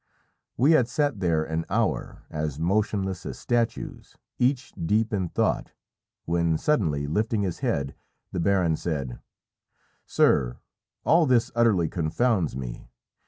We had sat there an hour as motionless as statues, each deep in thought, when, suddenly lifting his head, the baron said "Sir, all this utterly confounds me.